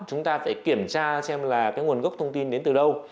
chúng ta phải kiểm tra xem là cái nguồn gốc thông tin đến từ đâu